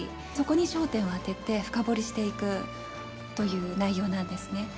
そこに焦点を当てて深掘りしていくという内容なんですね。